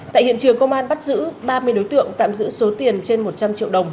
tại hiện trường công an bắt giữ ba mươi đối tượng tạm giữ số tiền trên một trăm linh triệu đồng